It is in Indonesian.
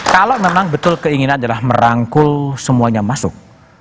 kalau memang betul keinginan adalah merangkul semuanya masuk